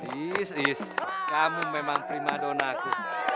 is is kamu memang primadonaku